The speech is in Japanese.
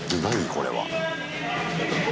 これは。